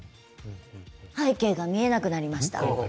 背景が見えなくなりました。